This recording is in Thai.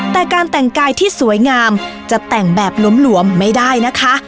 แต่การแต่งกายที่สวยงามจะแต่งแบบหลวมไม่ได้นะคะ